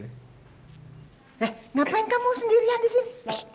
eh ngapain kamu sendirian disini